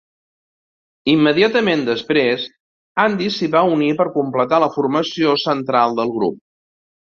Immediatament després, Andy s'hi va unir per completar la formació central del grup.